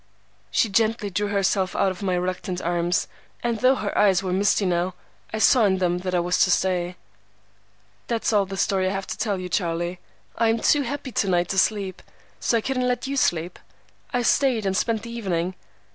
"She gently drew herself out of my reluctant arms, and though her eyes were misty now, I saw in them that I was to stay. "That's all the story I have to tell you, Charlie. I am too happy to night to sleep, so I couldn't let you sleep. I stayed and spent the evening.